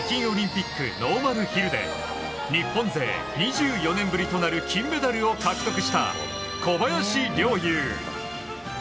オリンピックノーマルヒルで日本勢２４年ぶりとなる金メダルを獲得した小林陵侑。